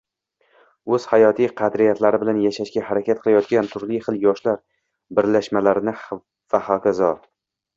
o‘z hayotiy qadriyatlari bilan yashashga harakat qilayotgan turli xil yoshlar birlashmalarini va hokazo.